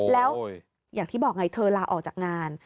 แล้วอย่างที่บอกไงเธอลาออกจากงาน